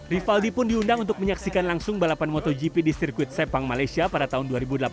rivaldi pun diundang untuk menyaksikan langsung balapan motogp di sirkuit sepang malaysia pada tahun dua ribu delapan belas